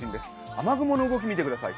雨雲の動き、見てください。